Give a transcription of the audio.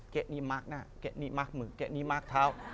เกะนี่มาร์คหน้าเกะนี่มาร์คมือเกะนี่มาร์คเท้า